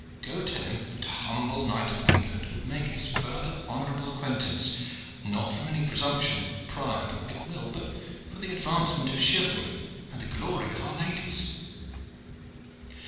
Go tell him that a humble knight of England would make his further honorable acquaintance, not from any presumption, pride, or ill will, but for the advancement of chivalry and the glory of our ladies.